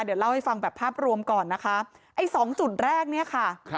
เดี๋ยวเล่าให้ฟังแบบภาพรวมก่อนนะคะไอ้สองจุดแรกเนี่ยค่ะ